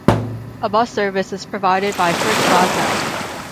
A bus service is provided by First Glasgow.